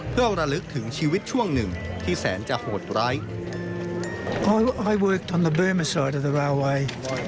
เพื่อระลึกถึงชีวิตช่วงหนึ่งที่แสนจะโหดร้าย